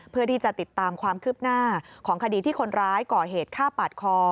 เพื่อที่จะติดตามความคืบหน้าของคดีที่คนร้ายก่อเหตุฆ่าปาดคอ